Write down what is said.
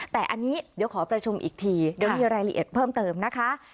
แต่อันนี้เดี๋ยวขอประชุมอีกทีเดี๋ยวมีรายละเอียดเพิ่มเติมนะคะ